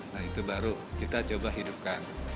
nah itu baru kita coba hidupkan